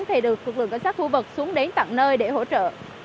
thì được phục lượng cảnh sát thu vật xuống đến tặng nơi để hỗ trợ